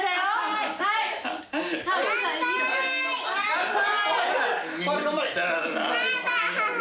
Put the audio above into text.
乾杯！